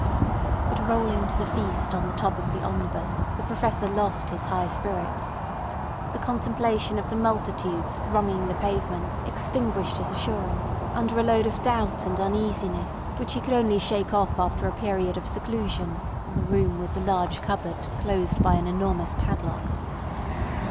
But rolling to the feast on the top of the omnibus the Professor lost his high spirits. The contemplation of the multitudes thronging the pavements extinguished his assurance under a load of doubt and uneasiness which he could only shake off after a period of seclusion in the room with the large cupboard closed by an enormous padlock.